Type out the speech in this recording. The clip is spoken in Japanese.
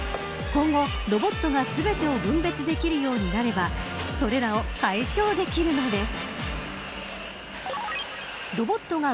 今後、ロボットが全てを分別できるようになればそれらを解消できるのです。